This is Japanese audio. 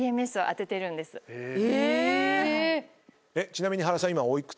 えっ！？